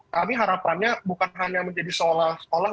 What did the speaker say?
kami harapannya bukan hanya menjadi seolah olah